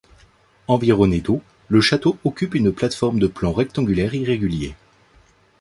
Environné d'eau, le château occupe une plate-forme de plan rectangulaire irrégulier.